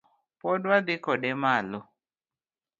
Pod wadhi kode malo